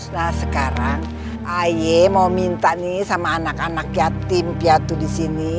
nah sekarang aye mau minta nih sama anak anak yatim piatu di sini